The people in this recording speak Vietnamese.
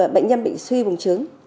bệnh nhân bị suy bùng trứng